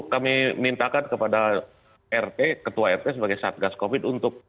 kami mintakan kepada rt ketua rt sebagai satgas covid untuk